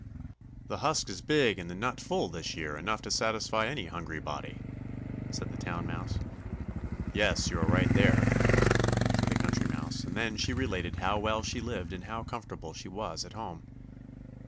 "The husk is big and the nut full this year, enough to satisfy any hungry body," said the Town Mouse. "Yes, you are right there," said the Country Mouse; and then she related how well she lived and how comfortable she was at home.